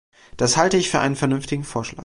Das halte ich für einen vernünftigen Vorschlag.